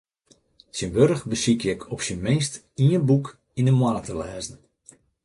Tsjintwurdich besykje ik op syn minst ien boek yn ’e moanne te lêzen.